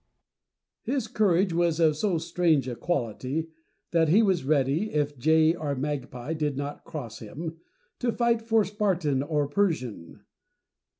His courage was of so strange a quality, that he was ready, if jay or magpie did not cross him, to fight for Spartan or Persian.